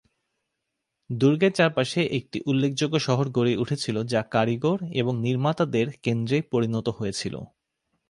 দুর্গের চারপাশে একটি উল্লেখযোগ্য শহর গড়ে উঠেছিল যা কারিগর এবং নির্মাতাদের কেন্দ্রে পরিণত হয়েছিল।